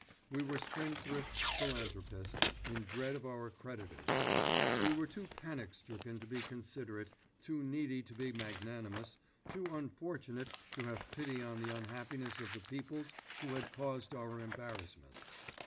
We were spendthrift philanthropists in dread of our creditors. We were too panic stricken to be considerate, too needy to be magnanimous, too unfortunate to have pity on the unhappiness of the peoples who had caused our embarrassment.